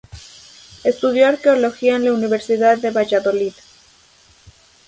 Estudió Arqueología en la Universidad de Valladolid.